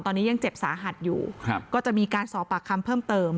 ตอนนี้ยังเจ็บสาหัสอยู่ครับก็จะมีการสอบปากคำเพิ่มเติม